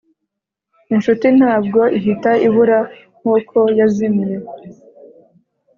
inshuti ntabwo ihita ibura nkuko yazimiye